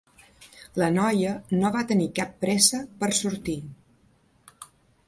La noia no va tenir cap pressa per sortir.